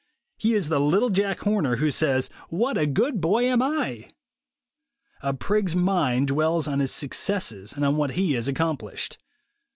He is the little Jack Horner who says, "What a good boy am I !" A prig's mind dwells on his suc cesses and on what he has accomplished.